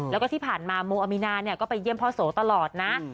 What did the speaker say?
แล้วก็ที่ผ่านมาโมอามีนาก็ไปเยี่ยมพ่อโสตลอดนะ